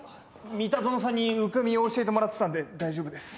三田園さんに受け身を教えてもらってたんで大丈夫です。